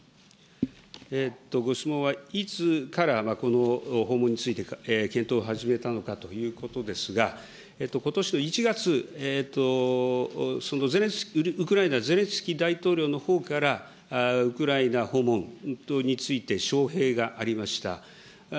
ご質問は、いつからこの訪問について検討を始めたのかということですが、ことしの１月、そのウクライナ、ゼレンスキー大統領のほうからウクライナ訪問等について、招へいがありました。